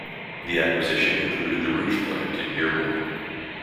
The acquisition included the Rouge Plant in Dearborn.